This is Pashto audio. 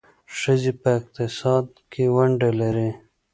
ښځې په اقتصاد کې ونډه لري.